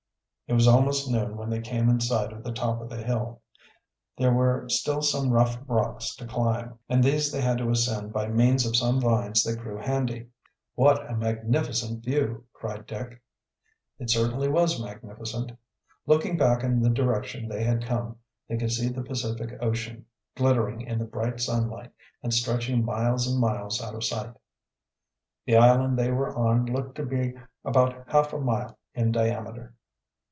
It was almost noon when they came in sight of the top of the hill. There were still some rough rocks to climb, and these they had to ascend by means of some vines that grew handy. "What a magnificent view!" cried Dick. It certainly was magnificent. Looking back in the direction they had come they could see the Pacific Ocean, glittering in the bright sun light and stretching miles and miles out of sight. The island they were on looked to be about half a mile in diameter.